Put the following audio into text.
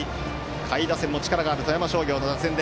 下位打線も力のある富山商業打線。